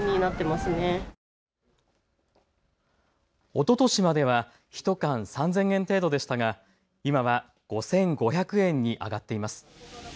おととしまでは１缶３０００円程度でしたが今は５５００円に上がっています。